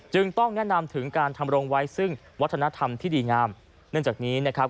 ต้องแนะนำถึงการทำรงไว้ซึ่งวัฒนธรรมที่ดีงามเนื่องจากนี้นะครับ